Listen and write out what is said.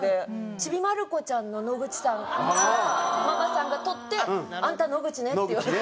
『ちびまる子ちゃん』の野口さんからママさんが取って「あんた野口ね」って言われて。